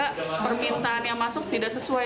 karena permintaan yang masuk tidak sesuai